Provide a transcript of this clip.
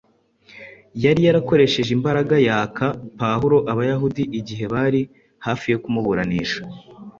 yari yarakoresheje imbaraga yaka Pawulo Abayahudi igihe bari hafi yo kumuburanisha